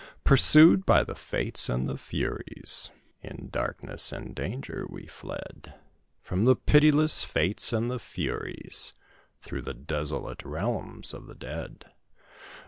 Pursued by the Fates and the Furies, In darkness and danger we fled From the pitiless Fates and the Furies, Through the desolate realms of the Dead."